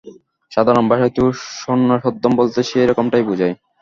সাধারণ ভাষায় তো সন্ন্যাসধর্ম বলতে সেইরকমটাই বোঝায়।